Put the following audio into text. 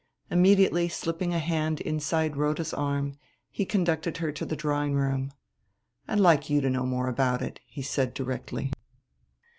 Immediately slipping a hand inside Rhoda's arm he conducted her to the drawing room. "I'd like you to know more about it," he said directly.